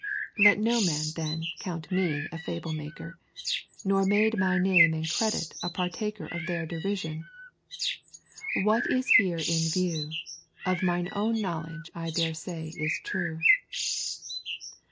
'Let no man, then, count me a fable maker, Nor made my name and credit a partaker Of their derision: what is here in view, Of mine own knowledge I dare say is true.'